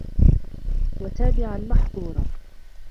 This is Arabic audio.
وَتَابِعًا مَحْقُورًا